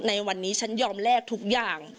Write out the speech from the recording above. ในวันนี้ฉันยอมแลกทุกอย่าง